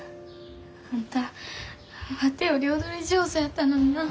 あんたワテより踊り上手やったのになあ。